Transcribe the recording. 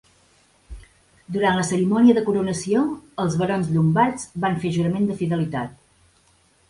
Durant la cerimònia de coronació els barons llombards van fer jurament de fidelitat.